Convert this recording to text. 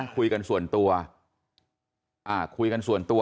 คุยกันส่วนตัว